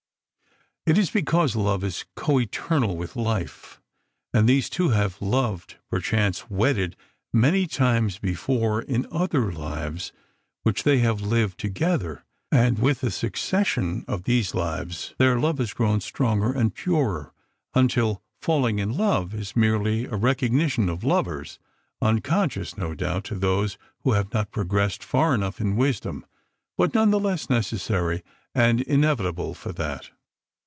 It is because Love is co eternal with Life, and these two have loved, perchance wedded, many times before in other lives which they have lived together, and, with the succession of these lives, their love has grown stronger and purer, until "falling in love" is merely a recognition of lovers; unconscious, no doubt, to those who have not progressed far enough in wisdom, but none the less necessary and inevitable for that.